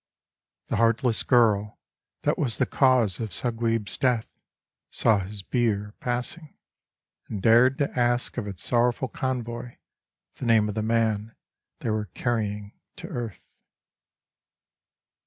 THE heartless girl, that was the cause of Saquib's death, saw his bier passing And dared to ask of its sorrowful convoy the name of the man they were carrying to earth.